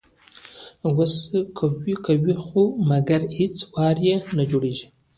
وس کوي خو مګر هیڅ وار یې نه جوړیږي